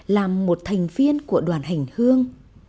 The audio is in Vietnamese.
làm một thành viên của đoàn hành hương